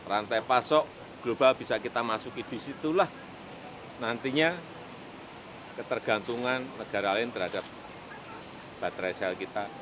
rantai pasok global bisa kita masuki disitulah nantinya ketergantungan negara lain terhadap baterai sel kita